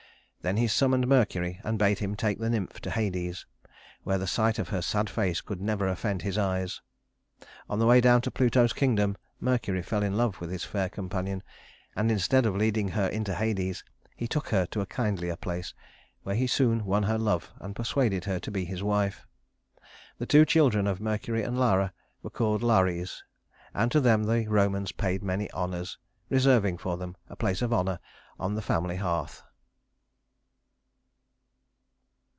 Then he summoned Mercury and bade him take the nymph to Hades, where the sight of her sad face could never offend his eyes. On the way down to Pluto's kingdom, Mercury fell in love with his fair companion; and instead of leading her into Hades, he took her to a kindlier place, where he soon won her love and persuaded her to be his wife. The two children of Mercury and Lara were called Lares, and to them the Romans paid many honors, reserving for them a place of honor on the family hearth.